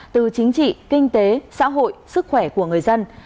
từ chính trị kinh tế xã hội sức khỏe của người dân